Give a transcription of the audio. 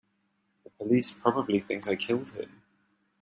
The police probably think I killed him.